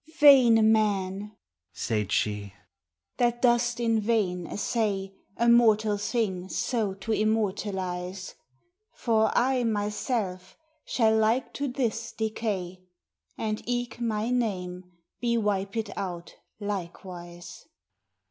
Vayne man, say'd she, that doest in vayne assay A mortall thing so to immortalize ; For I my selve shall like to this decay, And eke my name bee wiped out likewise.